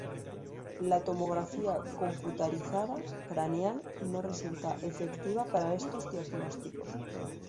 La tomografía computarizada craneal no resulta efectiva para estos diagnósticos.